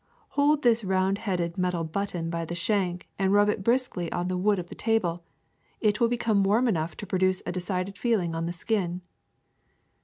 Hold this round headed metal button by the shank and rub it briskly on the wood of the table; it will become warm enough to produce a decided feeling on the skin.''